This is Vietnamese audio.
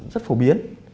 rất phổ biến